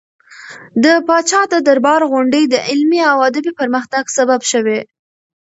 د پاچا د دربار غونډې د علمي او ادبي پرمختګ سبب شوې.